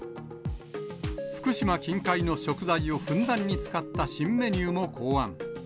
福島近海の食材をふんだんに使った新メニューも考案。